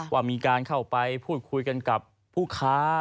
ว่ามีการเข้าไปพูดคุยกันกับผู้ค้า